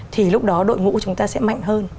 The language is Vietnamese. thì lúc đó đội ngũ chúng ta sẽ mạnh hơn